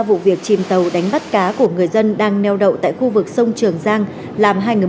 vụ việc chìm tàu đánh bắt cá của người dân đang neo đậu tại khu vực sông trường giang làm hai người